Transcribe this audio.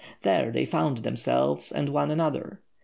There they found themselves and one another.